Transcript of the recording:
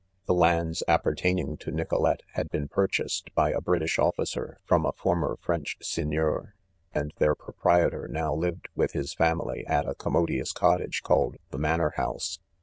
The lands appertaining to Nicolet had been .purchased by a British officer from a for mer French Seigneur, and their proprietor now lived with his family at a commodious cottage called " the manor house.